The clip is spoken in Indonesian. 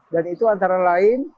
dan itu antara lain